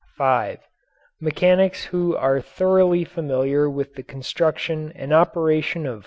(5) Mechanics who are thoroughly familiar with the construction and operation of Ford cars.